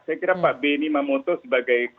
saya kira pak benny mamoto sebagai